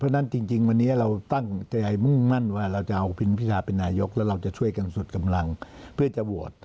เพราะฉะนั้นจริงวันนี้เราตั้งใจมุ่งมั่นว่าเราจะเอาพิมพิทาเป็นนายกแล้วเราจะช่วยกันสุดกำลังเพื่อจะโหวต